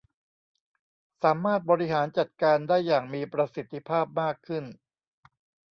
สามารถบริหารจัดการได้อย่างมีประสิทธิภาพมากขึ้น